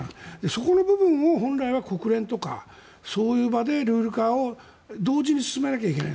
そこの部分を本来は国連とかそういう場でルール化を同時に進めなきゃいけない。